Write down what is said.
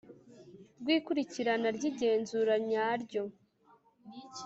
rw ikurikirana ry igenzura nyaryo